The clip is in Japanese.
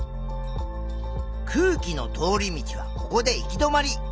空気の通り道はここで行き止まり。